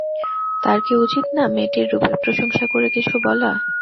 তাঁর কি উচিত না মেয়েটির রূপের প্রশংসা করে কিছু বলা?